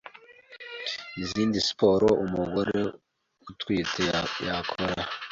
Izindi siporo umugore utwite yakora